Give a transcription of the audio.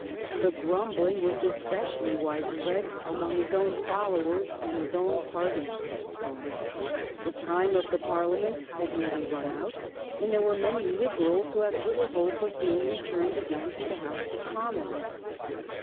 The grumbling was especially widespread among his own followers and his own party. The time THE TIDE TURNS 303 of the Parliament had nearly run out, and there were many Liberals who had little hope of being returned again to the House of Commons.